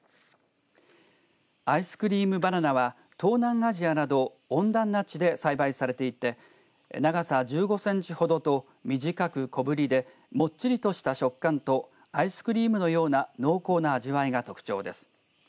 アイスクリームバナナは東南アジアなど温暖な地で栽培されていて長さ１５センチほどと短く、小ぶりでもっちりとした食感とアイスクリームのような濃厚な味わいが特徴です。